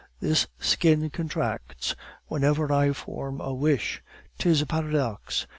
This skin contracts whenever I form a wish 'tis a paradox.